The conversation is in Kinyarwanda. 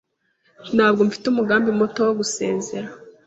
Ntabwo mfite umugambi muto wo gusezera.